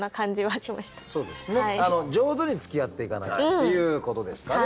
上手につきあっていかなきゃっていうことですかね